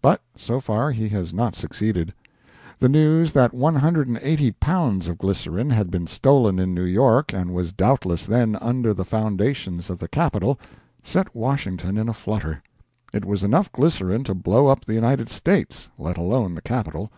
But so far he has not succeeded. The news that 180 pounds of glycerine had been stolen in New York and was doubtless then under the foundations of the Capitol, set Washington in a flutter. It was enough glycerine to blow up the United States, let alone the Capitol.